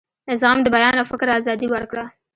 زغم د بیان او فکر آزادي ورکړه.